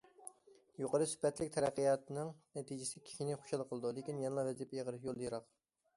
يۇقىرى سۈپەتلىك تەرەققىياتنىڭ نەتىجىسى كىشىنى خۇشال قىلىدۇ، لېكىن يەنىلا ۋەزىپە ئېغىر، يول يىراق.